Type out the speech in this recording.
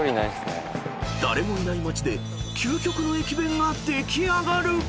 ［誰もいない街で究極の駅弁が出来上がる！］